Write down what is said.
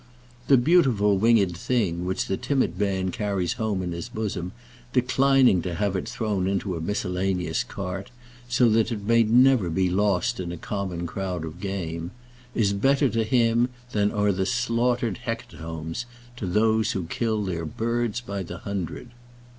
The beautiful winged thing which the timid man carries home in his bosom, declining to have it thrown into a miscellaneous cart, so that it may never be lost in a common crowd of game, is better to him than are the slaughtered hecatombs to those who kill their birds by the hundred.